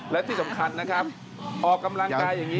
และที่สำคัญนะครับออกกำลังกายอย่างนี้